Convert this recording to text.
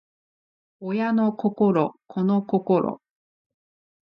親の心子の心